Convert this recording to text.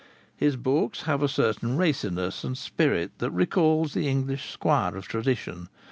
His books have a certain raciness and spirit that recall the English squire of tradition.